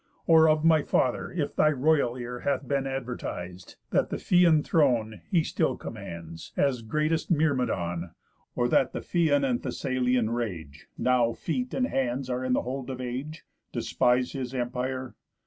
Or of my father if thy royal ear Hath been advertis'd, that the Phthian throne He still commands, as greatest Myrmidon? Or that the Phthian and Thessalian rage (Now feet and hands are in the hold of age) Despise his empire?